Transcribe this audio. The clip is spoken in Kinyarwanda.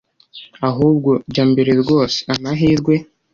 ahubwoo jya mbere rwose amahirwe